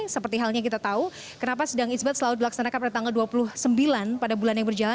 seperti halnya kita tahu kenapa sidang isbat selalu dilaksanakan pada tanggal dua puluh sembilan pada bulan yang berjalan